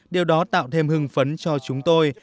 điều đó tạo thêm hưng phấn cho chúng tôi